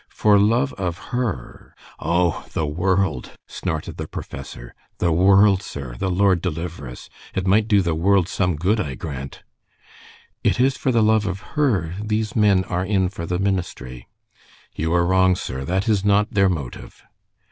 For love of her " "Oh, the world!" snorted the professor. "The world, sir! The Lord deliver us! It might do the world some good, I grant." "It is for love of her these men are in for the ministry." "You are wrong, sir. That is not their motive."